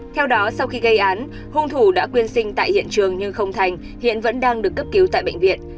theo đó sau khi gây án hung thủ đã quyên sinh tại hiện trường nhưng không thành hiện vẫn đang được cấp cứu tại bệnh viện